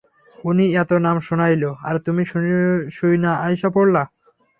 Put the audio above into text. উনি এত নাম শুনাইলো, আর তুমি শুইনা, আইসা পড়লা।